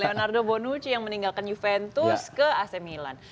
yonardo bonucci yang meninggalkan juventus ke ac milan